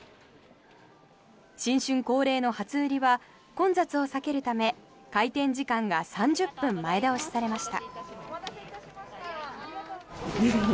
新春恒例の初売りは混雑を避けるため開店時間が３０分前倒しされました。